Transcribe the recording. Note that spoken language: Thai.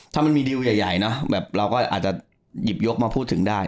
ถ้ามันมีดิวใหญ่นะแบบเราก็อาจจะหยิบยกมาพูดถึงได้